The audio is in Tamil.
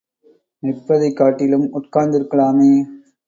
நிற்பதைக் காட்டிலும் உட்கார்ந்திருக்கலாமே!